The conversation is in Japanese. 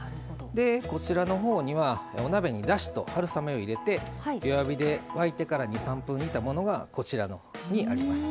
でこちらのほうにはお鍋にだしと春雨を入れて弱火で沸いてから２３分煮たものがこちらのほうにあります。